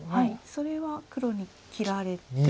それは黒に切られて。